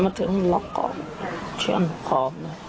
นะมาถึงแล้วก่อน